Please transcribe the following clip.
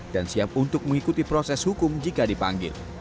dan siap untuk mengikuti proses hukum jika dipanggil